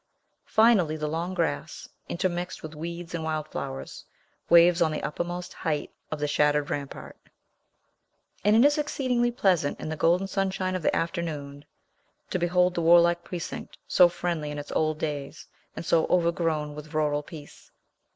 Finally the long grass, intermixed with weeds and wild flowers, waves on the uppermost height of the shattered rampart; and it is exceedingly pleasant in the golden sunshine of the afternoon to behold the warlike precinct so friendly in its old days, and so overgrown with rural peace.